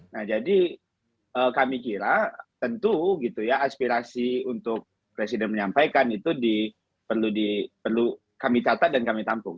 nah jadi kami kira tentu gitu ya aspirasi untuk presiden menyampaikan itu perlu kami catat dan kami tampung